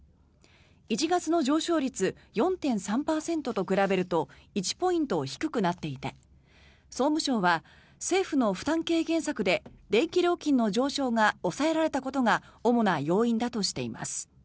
１月の上昇率４．３％と比べると１ポイント低くなっていて総務省は政府の負担軽減策で電気料金の上昇が抑えられたことが主な要因だとしています。